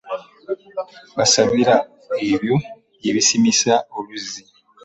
Basabira ebyo bye basimisa oluzzi.